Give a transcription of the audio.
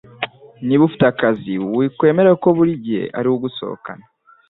Niba ufite akazi wikwemera ko buri gihe ariwe ugusohokana